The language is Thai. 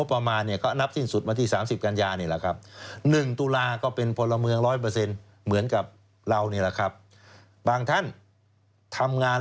ผลตนบทวิสุธิ์วานิสบุฏ